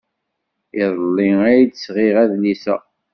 Iḍelli ay d-sɣiɣ adlis-a.